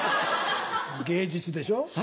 芸術でしょ？